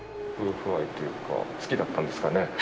夫婦愛というか好きだったんですかね？